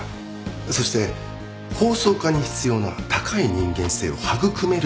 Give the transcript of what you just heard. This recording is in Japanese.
そして法曹家に必要な高い人間性を育める場所です。